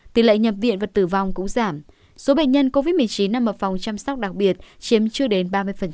tỷ lệ nhập viện và tử vong cũng giảm số bệnh nhân covid một mươi chín nằm ở phòng chăm sóc đặc biệt chiếm chưa đến ba mươi